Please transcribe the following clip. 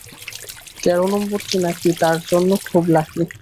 তেরো নম্বরটি নাকি তাঁর জন্যে খুব লাকি।